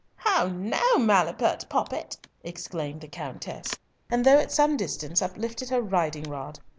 "How now, malapert poppet!" exclaimed the Countess, and though at some distance, uplifted her riding rod.